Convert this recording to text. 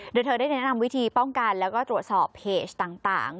โดยเธอได้แนะนำวิธีป้องกันแล้วก็ตรวจสอบเพจต่าง